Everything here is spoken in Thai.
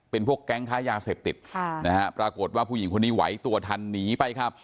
เป็นพวกแก๊งค้ายาเสพติดค่ะนะฮะปรากฏว่าผู้หญิงคนนี้ไหวตัวทันหนีไปครับ